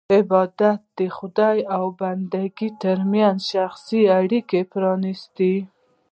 عبادت یې د خدای او بندګانو ترمنځ شخصي اړیکه پرېښی.